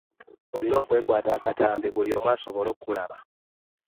Olina okwekwaata akatambi buli muntu asobole okulaba.